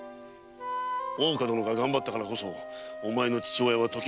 大岡殿が頑張ったからこそお前の父親は解き放されたんだ。